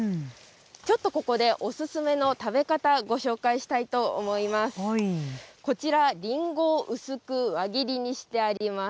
ちょっとここでお勧めの食べ方、ご紹介したいと思います。